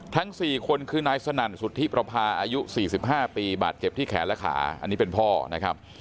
ทั้ง๔คนคือนายสนั่นสุธิประพาอายุ๔๕ปีบาดเจ็บที่แขนและขาอันนี้เป็นพ่อนะครับ